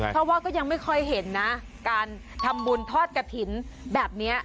เพราะว่าก็ยังไม่ค่อยเห็นนะการทำบุญทอดกระถิ่นแบบนี้